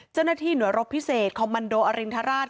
เจ้าหน้าที่หน่วยรบพิเศษคอมมันโดอรินทราช